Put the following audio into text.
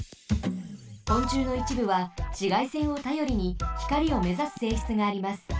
こんちゅうのいちぶはしがいせんをたよりにひかりをめざすせいしつがあります。